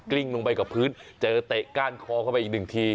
ลิ้งลงไปกับพื้นเจอเตะก้านคอเข้าไปอีกหนึ่งที